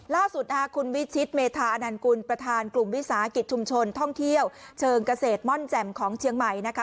ล่าสุดนะคะคุณวิชิตเมธาอนันกุลประธานกลุ่มวิสาหกิจชุมชนท่องเที่ยวเชิงเกษตรม่อนแจ่มของเชียงใหม่นะคะ